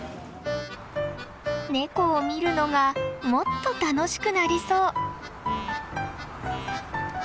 ネコを見るのがもっと楽しくなりそう。